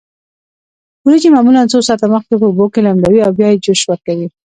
وریجې معمولا څو ساعته مخکې په اوبو کې لمدوي او بیا یې جوش ورکوي.